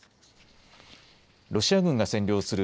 ロシア軍が占領する